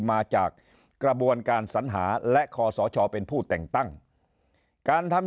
มาจากกระบวนการสัญหาและคอสชเป็นผู้แต่งตั้งการทำ